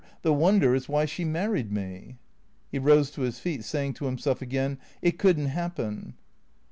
The wonder is why she married me." He rose to his feet, saying to himself again, " It could n't happen."